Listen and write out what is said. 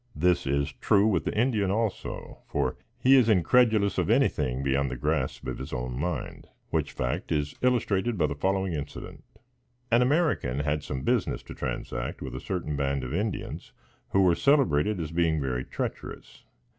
This is true with the Indian also; for, he is incredulous of anything beyond the grasp of his own mind; which fact is illustrated by the following incident. An American had some business to transact with a certain band of Indians, who were celebrated as being very treacherous.